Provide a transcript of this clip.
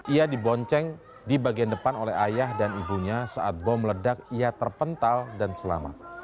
ia dibonceng di bagian depan oleh ayah dan ibunya saat bom meledak ia terpental dan selamat